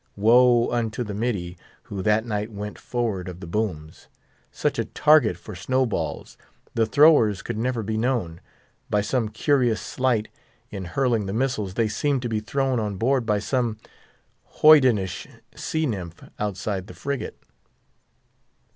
Woe unto the "middy" who that night went forward of the booms. Such a target for snow balls! The throwers could never be known. By some curious sleight in hurling the missiles, they seemed to be thrown on board by some hoydenish sea nymphs outside the frigate.